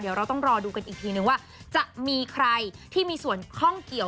เดี๋ยวเราต้องรอดูกันอีกทีนึงว่าจะมีใครที่มีส่วนข้องเกี่ยว